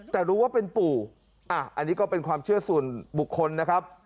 แต่รู้ว่าเป็นปู่อันนี้ก็เป็นความเชื่อส่วนบุคคลนะครับ